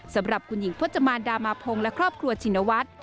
สำหรับคุณหญิงพจมานดามาพงศ์และครอบครัวชินวัฒน์